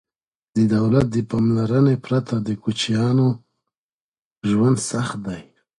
د دولت د پاملرنې پرته د کوچیانو ژوند سخت دی.